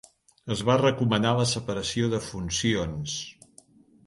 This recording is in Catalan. Es va recomanar la separació de funcions.